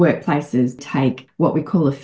mengambil cara untuk menjaga keamanan